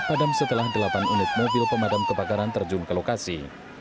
padam setelah delapan unit mobil pemadam kebakaran terjun ke lokasi